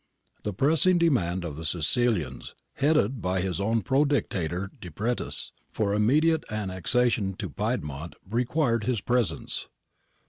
The pressing demand of the Sicilians, headed by his own pro Dictator, Depretis, for immediate annexation to Piedmont, required his presence.